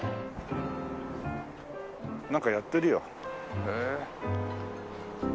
なんかやってるよ。